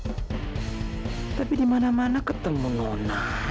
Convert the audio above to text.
ini sih sembarangan lah